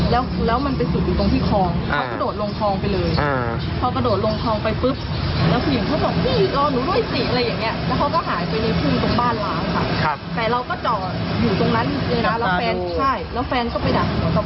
แล้วแฟนเค้าไปดักสะพานตรงนี้ค่ะ